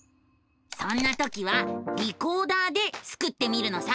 そんな時は「リコーダー」でスクってみるのさ！